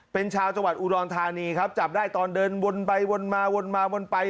เป็นชาวจังหวัดอุดรธานีครับจับได้ตอนเดินวนไปวนมาวนมาวนไป